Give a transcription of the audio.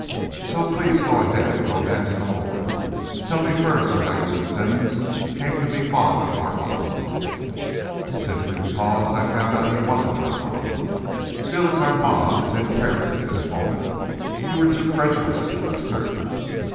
So please go ahead and romance some more. Tell me first how you and Simmonds came to be following Armand." "Simply because I had found out he wasn't Armand. Felix Armand is in Paris at this moment. You were too credulous, Lester."